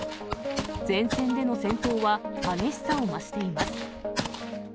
前線での戦闘は激しさを増しています。